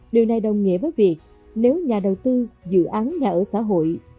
điều này đồng nghĩa với việc nếu nhà đầu tư dự án nhà ở xã hội